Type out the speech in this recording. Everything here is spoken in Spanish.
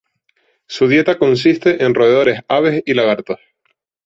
Su dieta consiste de roedores, aves y lagartos.